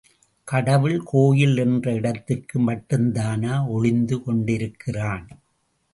கடவுள், கோயில் என்ற இடத்திற்குள் மட்டுந்தானா ஒளிந்து கொண்டிருக்கிறான்?